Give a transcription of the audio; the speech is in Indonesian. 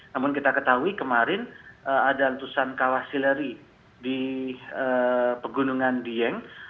namun kita ketahui kemarin ada letusan kawah sileri di pegunungan dieng